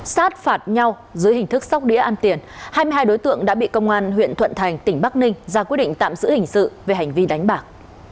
sát phạt nhau dưới hình thức sóc đĩa ăn tiền hai mươi hai đối tượng đã bị công an huyện thuận thành tỉnh bắc ninh ra quyết định tạm giữ hình sự về hành vi đánh bạc